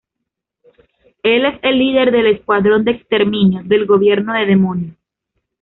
Él es el líder del escuadrón de exterminio del gobierno del demonio.